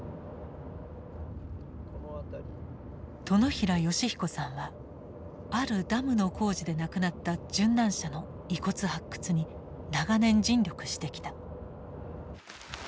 殿平善彦さんはあるダムの工事で亡くなった殉難者の遺骨発掘に長年尽力してきた。